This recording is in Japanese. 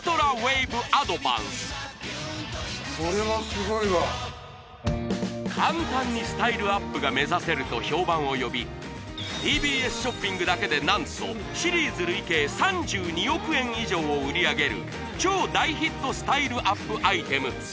これはスゴいわ簡単にスタイルアップが目指せると評判を呼びＴＢＳショッピングだけで何とシリーズ累計３２億円以上を売り上げる超大ヒットスタイルアップアイテム